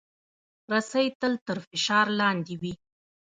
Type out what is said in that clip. رسۍ تل تر فشار لاندې وي.